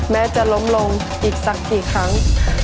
แม้จะล้มลงอีกสักกี่ครั้ง